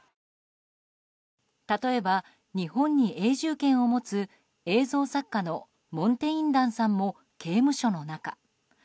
例えば日本に永住権を持つ映像作家のモンテインダンさんも刑務所の中。